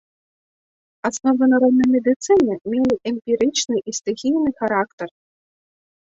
Асновы народнай медыцыны мелі эмпірычны і стыхійны характар.